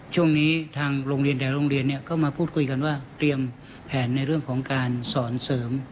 ช่วงนี้ทางโรงเรียนหลายโรงเรียนก็มาพูดคุยกันว่าเตรียมแผนในเรื่องของการสอนเสริม